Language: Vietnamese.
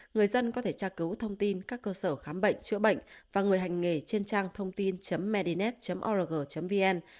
người dân có thể tra cứu thông tin các cơ sở khám bệnh chữa bệnh và người hành nghề trên trang thông tin medinet org vn